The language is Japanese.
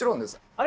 あれ？